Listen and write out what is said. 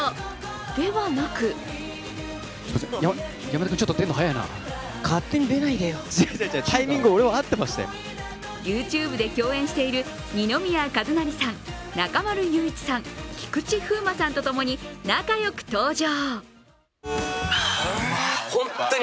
ではなくＹｏｕＴｕｂｅで共演している二宮和也さん、中丸雄一さん、菊池風磨さんとともに仲良く登場。